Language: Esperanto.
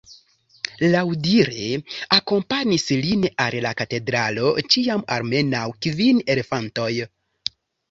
Laŭdire akompanis lin al la katedralo ĉiam almenaŭ kvin elefantoj.